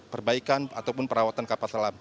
perbaikan ataupun perangkat